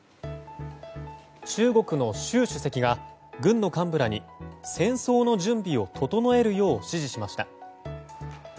中国の習主席が軍の幹部らに戦争の準備を整えるよう指示しました。